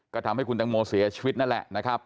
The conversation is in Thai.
ก็ทำให้คุณตังโมเสียชีวิตนั่นแหละนะครับ